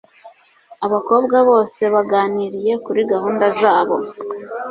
Abakobwa bose baganiriye kuri gahunda zabo